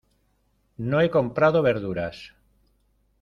No he comprado verduras.